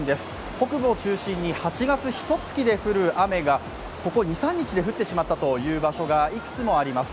北部を中心に、８月ひとつきで降る雨がここ２３日で降ってしまった場所が多くあります。